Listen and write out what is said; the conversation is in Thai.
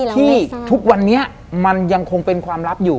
ที่ทุกวันนี้มันยังคงเป็นความลับอยู่